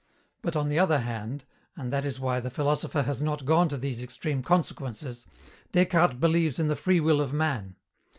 But, on the other hand (and that is why the philosopher has not gone to these extreme consequences), Descartes believes in the free will of man.